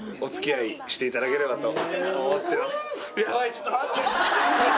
ちょっと待って！